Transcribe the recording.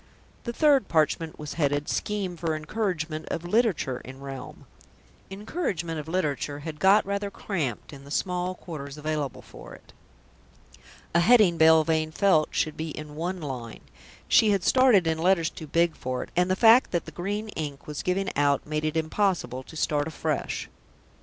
The third parchment was headed: SCHEME FOR ENCOURAGEMENT OF LITERATURE IN REALM "Encouragement of Literature" had got rather cramped in the small quarters available for it. A heading, Belvane felt, should be in one line; she had started in letters too big for it, and the fact that the green ink was giving out made it impossible to start afresh.